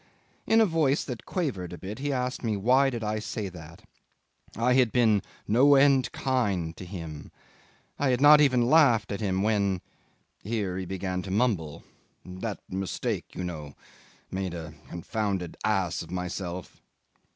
In a voice that quavered a bit he asked me why did I say that? I had been "no end kind" to him. I had not even laughed at him when here he began to mumble "that mistake, you know made a confounded ass of myself."